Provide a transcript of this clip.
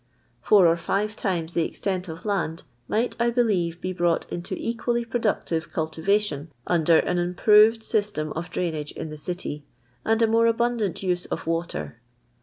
Four or five times the ex tent of land might, I beUeve, be brought into equally productive cnltivadon under an improved system of dninage in the dty, and a more abun dant use of water.